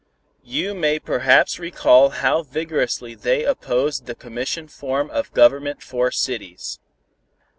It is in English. You may perhaps recall how vigorously they opposed the commission form of government for cities.